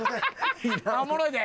おもろいで。